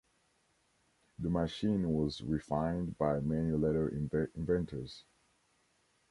The machine was refined by many later inventors.